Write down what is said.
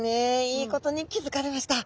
いいことに気付かれました。